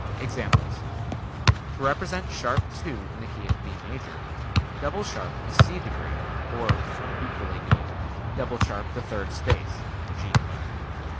Examples: To represent sharp 2 in the key of B major, double sharp the C degree, or (equally good) double sharp the third space (G clef).